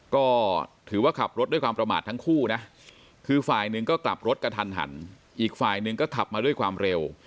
ก็ถือว่าขับรถด้วยความประมาททั้งคู่นะคือฝ่ายหนึ่งก็กลับรถกระทันหันอีกฝ่ายหนึ่งก็ขับมาด้วยความเร็ว